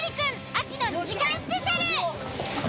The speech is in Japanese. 秋の２時間スペシャル！